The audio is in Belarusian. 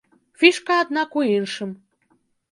Фішка, аднак, у іншым.